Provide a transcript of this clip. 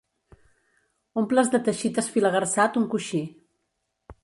Omples de teixit esfilagarsat un coixí.